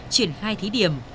triển khai thí điểm